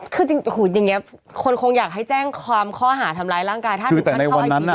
คือจริงจริงอย่างเงี้ยคนคงอยากให้แจ้งความค่อหาทำร้ายร่างกายคือแต่ในวันนั้นอ่ะ